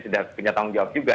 sudah punya tanggung jawab juga